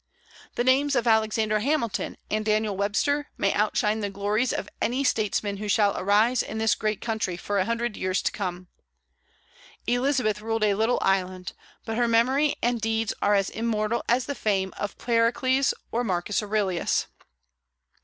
The names of Alexander Hamilton and Daniel Webster may outshine the glories of any statesmen who shall arise in this great country for a hundred years to come. Elizabeth ruled a little island; but her memory and deeds are as immortal as the fame of Pericles or Marcus Aurelius.